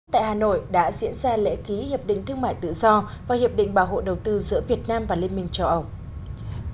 tại hà nội đã diễn ra lễ ký hiệp định thương mại tự do và hiệp định bảo hộ đầu tư giữa việt nam và liên minh châu âu